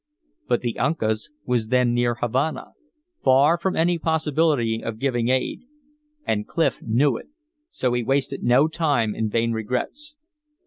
But the Uncas was then near Havana, far from any possibility of giving aid. And Clif knew it, so he wasted no time in vain regrets.